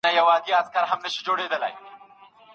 که ډېر لوړ ږغ پاڼه ړنګه کړي، بد به سي.